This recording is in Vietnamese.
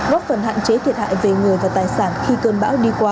góp phần hạn chế thiệt hại về người và tài sản khi cơn bão đi qua